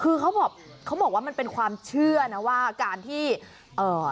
คือเขาบอกเขาบอกว่ามันเป็นความเชื่อนะว่าการที่เอ่อ